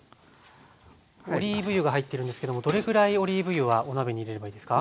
オリーブ油が入ってるんですけどもどれぐらいオリーブ油はお鍋に入れればいいですか？